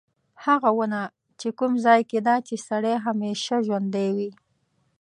هغه ونه په کوم ځای کې ده چې سړی همیشه ژوندی وي.